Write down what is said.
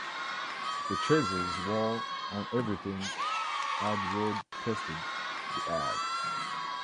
The Chasers War On Everything "Ad Road Tested" The Ad.